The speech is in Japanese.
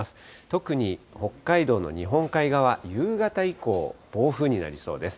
特に北海道の日本海側、夕方以降、暴風になりそうです。